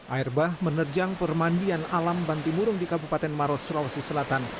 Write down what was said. airbah menerjang pemandian alam bantimurung di kabupaten maros sulawesi selatan